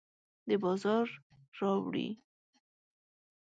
د بازار راوړي